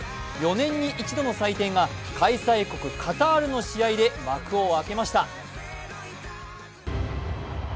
４年に１度の祭典が開催国・カタールの試合で幕を開けました。